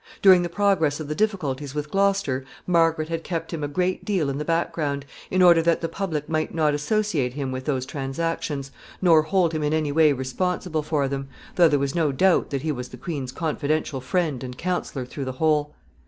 During the progress of the difficulties with Gloucester, Margaret had kept him a great deal in the background, in order that the public might not associate him with those transactions, nor hold him in any way responsible for them, though there was no doubt that he was the queen's confidential friend and counselor through the whole.